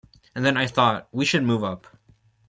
And then I thought, 'We should move up.